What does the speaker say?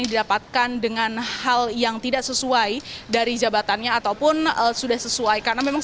didapatkan dengan hal yang tidak sesuai dari jabatannya ataupun sudah sesuai karena memang